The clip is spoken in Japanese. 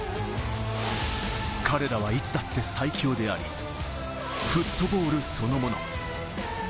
彼らはいつだって最強であり、フットボールそのもの。